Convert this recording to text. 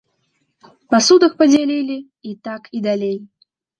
Пасудак падзялілі і так і далей.